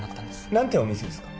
何てお店ですか？